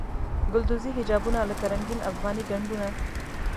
ګلدوزي حجابونه لکه رنګین افغاني ګنډونه.